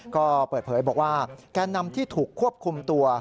ก็เปิดเผยบอกว่าแกนนำที่ถูกควบคุมตัว